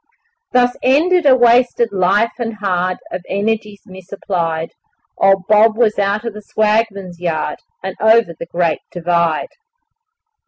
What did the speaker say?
Thus ended a wasted life and hard, Of energies misapplied Old Bob was out of the 'swagman's yard' And over the Great Divide.